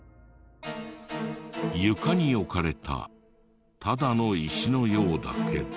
床に置かれたただの石のようだけど。